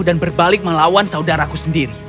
dan berbalik melawan saudaraku sendiri